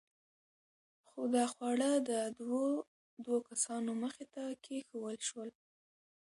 خو دا خواړه د دوو دوو کسانو مخې ته کېښوول شول.